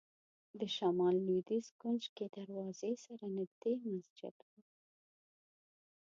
د شمال لوېدیځ کونج کې دروازې سره نږدې مسجد و.